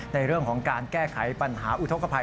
ในเรื่องของการแก้ไขปัญหาอุทธกภัย